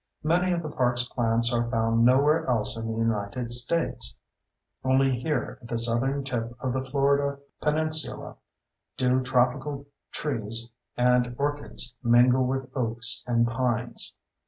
Many of the park's plants are found nowhere else in the United States. Only here at the southern tip of the Florida peninsula do tropical trees and orchids mingle with oaks and pines.